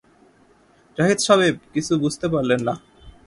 জাহিদ সাহেব কিছু বুঝতে পারলেন না।